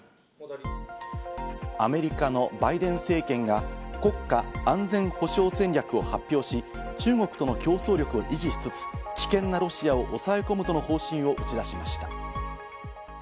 アメリカのバイデン政権が国家安全保障戦略を発表し、中国との競争力を維持しつつ、危険なロシアを抑え込むとの方針を打ち出しました。